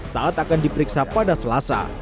saat akan diperiksa pada selasa